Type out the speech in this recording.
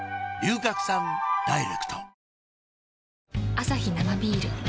アサヒ生ビール